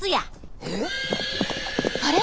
あれ？